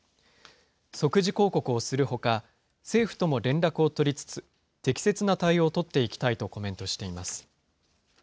即時抗告をするほか、政府とも連絡を取りつつ、適切な対応を取っていきたいとコメントしています。